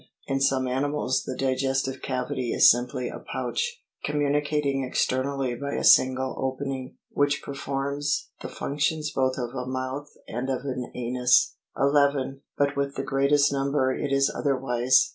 In some animals the digestive cavity is simply a pouch, com municating externally by a single opening, which performs the functions both of a mouth and of an anus. 1 1 . But with the greatest number it is otherwise.